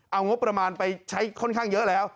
เอางบประมาณไปใช้ค่อนข้างเยอะแล้ว